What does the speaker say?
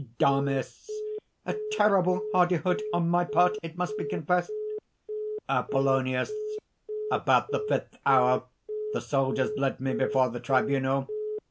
DAMIS. "A terrible hardihood on thy part, it must be confessed!" APOLLONIUS. "About the fifth hour, the soldiers led me before the tribunal.